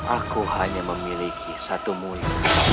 aku hanya memiliki satu mulu